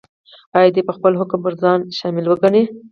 ایا دی به خپل حکم پر ځان شامل وګڼي؟